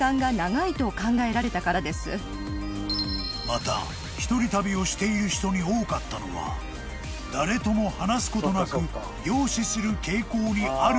［また一人旅をしている人に多かったのは誰とも話すことなく凝視する傾向にあるからだそう］